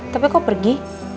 tapi kok pergi